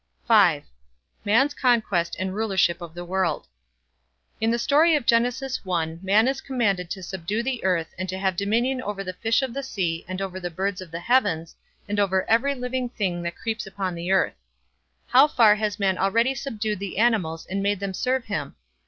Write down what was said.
V. MAN'S CONQUEST AND RULERSHIP OF THE WORLD. In the story of Genesis 1 man is commanded to subdue the earth and to have dominion over the fish of the sea and over the birds of the heavens and over every living thing that creeps upon the earth. How far has man already subdued the animals and made them serve him?